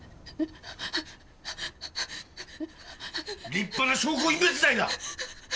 立派な証拠隠滅罪だ！